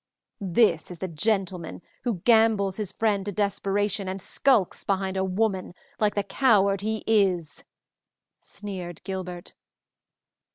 "This is the gentleman who gambles his friend to desperation, and skulks behind a woman, like the coward he is," sneered Gilbert.